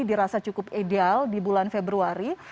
dirasa cukup ideal di bulan februari